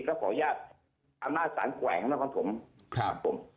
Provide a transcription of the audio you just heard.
ก็ขออนุญาตทำหน้าสารแกว่งนะครับผม